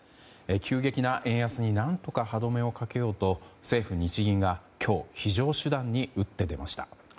急激な円安に何とか歯止めをかけようと政府と日銀が今日非常手段に打って出ました。